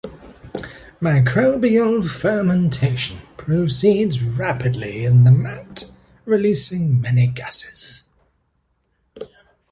Microbial fermentation proceeds rapidly in the mat, releasing many gases.